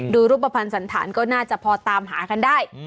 รูปภัณฑ์สันธารก็น่าจะพอตามหากันได้